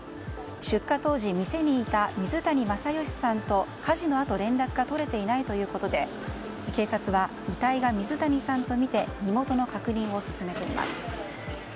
出火当時、店にいた水谷正徳さんと火事のあと連絡が取れていないということで警察は遺体が水谷さんとみて身元の確認を進めています。